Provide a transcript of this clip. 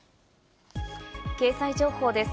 経済情報です。